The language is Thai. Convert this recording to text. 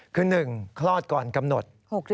คือ๑คลอดก่อนกำหนด